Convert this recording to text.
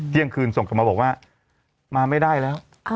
เที่ยงคืนส่งเข้ามาบอกว่ามาไม่ได้แล้ว